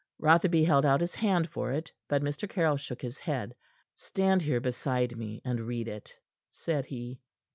Rotherby held out his hand for it. But Mr. Caryll shook his head. "Stand here beside me, and read it," said he.